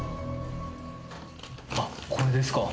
あっこれですか？